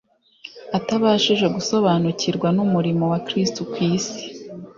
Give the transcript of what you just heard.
Atabashije gusobanukirwa n’umurimo wa Kristo ku isi,